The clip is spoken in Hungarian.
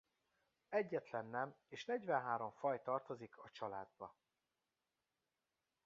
Egyetlen nem és negyvenhárom faj tartozik a családba.